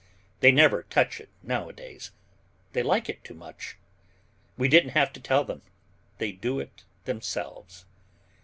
They never touch it nowadays. They like it too much. We didn't have to tell them. They do it themselves.